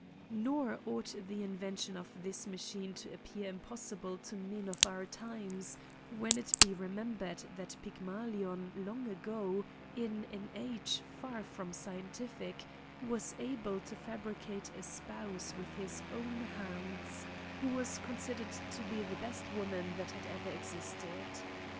Nor ought the invention of this machine to appear impossible to men of our times, when it be remembered that Pygmalion long ago, in an age far from scientific, was able to fabricate a spouse with his own hands, who was con sidered to be the best woman that had ever existed.